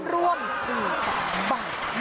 รวมอีก๓ใบ